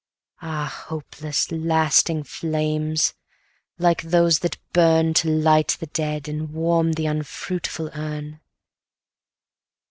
260 Ah hopeless, lasting flames! like those that burn To light the dead, and warm the unfruitful urn.